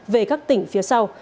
về các tỉnh phía sau